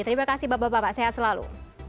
terima kasih bapak bapak sehat selalu